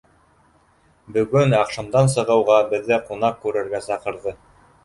Бөгөн аҡшамдан сығыуға беҙҙе ҡунаҡ күрергә саҡырҙы.